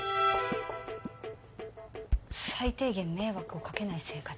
最低限迷惑をかけない生活？